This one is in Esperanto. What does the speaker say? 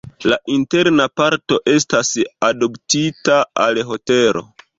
La interna parto estas adoptita al hotelo.